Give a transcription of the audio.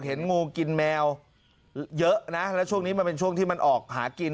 เห็นงูกินแมวเยอะนะแล้วช่วงนี้มันเป็นช่วงที่มันออกหากิน